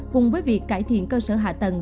cùng với việc cải thiện cơ sở hạ tầng